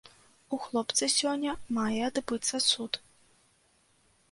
У хлопца сёння мае адбыцца суд.